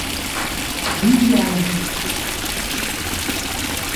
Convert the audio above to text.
بھی یا نہیں۔